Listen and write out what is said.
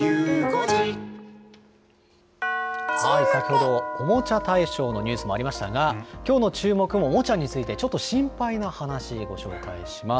先ほど、おもちゃ大賞のニュースもありましたが、きょうのチューモク！もおもちゃについてちょっと心配な話、ご紹介します。